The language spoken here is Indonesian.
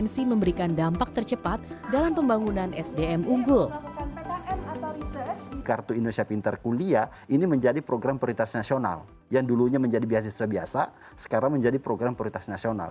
sekarang menjadi program prioritas nasional